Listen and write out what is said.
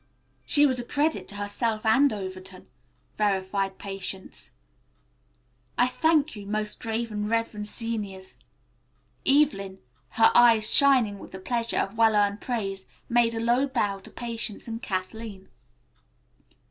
"She was a credit to herself and Overton," verified Patience. "I thank you, most grave and reverend seniors." Evelyn, her eyes shining with the pleasure of well earned praise, made a low bow to Patience and Kathleen.